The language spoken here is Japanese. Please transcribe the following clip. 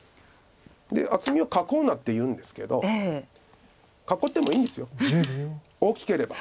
で「厚みを囲うな」って言うんですけど囲ってもいいんです大きければ。